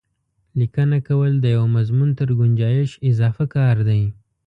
لیکنه کول د یوه مضمون تر ګنجایش اضافه کار دی.